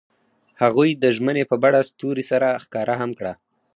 هغوی د ژمنې په بڼه ستوري سره ښکاره هم کړه.